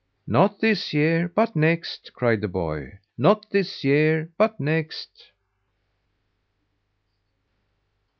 "Not this year, but next," cried the boy. "Not this year, but next."